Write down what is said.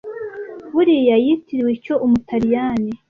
buriya yitiriwe icyo Umutaliyani